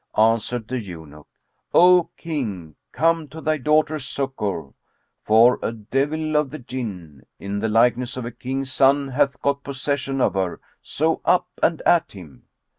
Answered the eunuch, "O King, come to thy daughter's succour; for a devil of the Jinn, in the likeness of a King's son, hath got possession of her; so up and at him!"